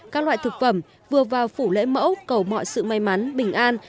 các loại thực phẩm vừa vào phủ lễ mẫu cầu mọi sự may mắn bình an